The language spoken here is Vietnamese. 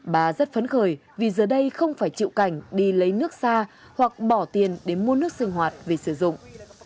bà rất phấn khởi vì giờ đây không phải chịu cảnh đi lấy nước xa hoặc bỏ tiền để mua nước sinh hoạt vì sử dụng